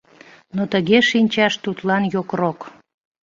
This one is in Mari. Но тыге шинчаш тудлан йокрок.